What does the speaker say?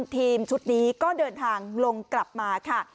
ทีมชุดนี้ก็เดินทางลงกลับมาค่ะ